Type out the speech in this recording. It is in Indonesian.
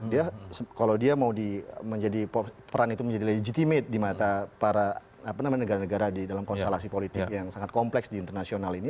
dia kalau dia mau peran itu menjadi legitimate di mata para negara negara di dalam konstelasi politik yang sangat kompleks di internasional ini